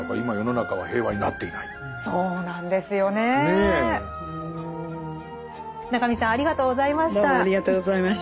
中見さんありがとうございました。